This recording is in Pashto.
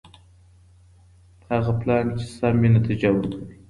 هغه پلان چي سم وي نتيجه ورکوي.